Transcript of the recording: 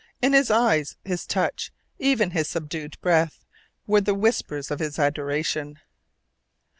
In his eyes, his touch, even his subdued breath, were the whispers of his adoration.